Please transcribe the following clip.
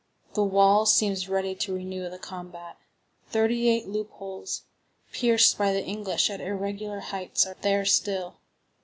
The wall seems ready to renew the combat. Thirty eight loopholes, pierced by the English at irregular heights, are there still.